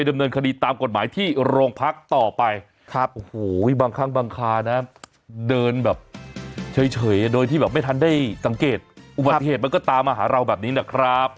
เดินแบบเฉยโดยที่แบบไม่ทันได้สังเกตอุบัติเหตุมันก็ตามมาหาเราแบบนี้นะครับ